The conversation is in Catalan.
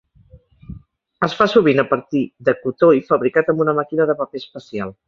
Es fa sovint a partir de cotó i fabricat amb una màquina de paper especial.